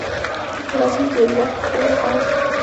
په رسمي جریده کې خپور او